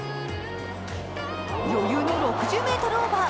余裕の６０ｍオーバー。